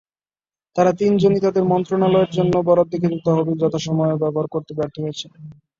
তাঁরা তিনজনই তাঁদের মন্ত্রণালয়ের জন্য বরাদ্দকৃত তহবিল যথাসময়ে ব্যবহার করতে ব্যর্থ হয়েছেন।